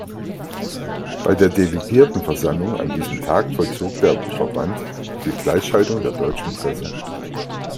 Bei der Delegiertenversammlung an diesem Tag vollzog der Verband die Gleichschaltung der deutschen Presse.